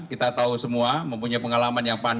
kita tahu semua mempunyai pengalaman yang panjang